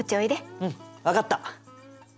うん分かった！